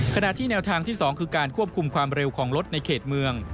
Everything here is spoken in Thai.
ขณะที่แนวทางที่๒คือการควบคุมความเร็วของรถในเขตเมือง